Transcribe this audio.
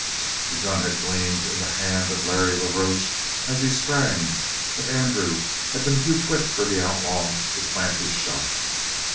The gun had gleamed in the hand of Larry la Roche as he sprang, but Andrew had been too quick for the outlaw to plant his shot.